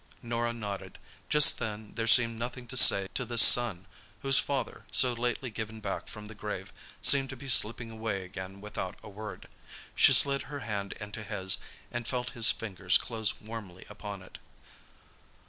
Norah nodded. Just then there seemed nothing to say to this son whose father, so lately given back from the grave, seemed to be slipping away again without a word. She slid her hand into his and felt his fingers close warmly upon it.